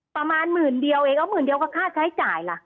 ประมาณหมื่นเดียวเองเอาหมื่นเดียวกับค่าใช้จ่ายล่ะ